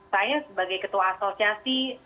saya sebagai ketua asosiasi